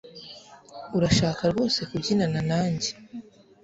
Urashaka rwose kubyinana nanjye